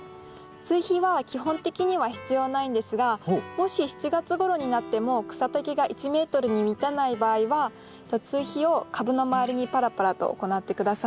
追肥は基本的には必要ないんですがもし７月ごろになっても草丈が１ｍに満たない場合は追肥を株の周りにぱらぱらと行って下さい。